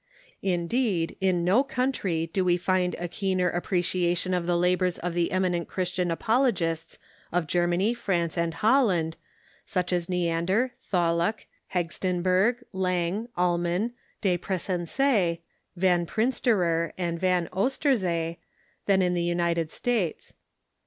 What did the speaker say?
Indeed, in no countrj^ do Ave find a keener appre ciation of the labors of the eminent Christian apologists of Germany, France, and Holland, such as Neander, Tholuck, Hengstenberg, Lange, Ullmann, De Pressense, Van Prinsterer, and Van Oosterzee, than in the United States.